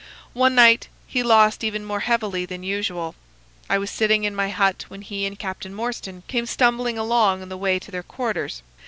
"One night he lost even more heavily than usual. I was sitting in my hut when he and Captain Morstan came stumbling along on the way to their quarters.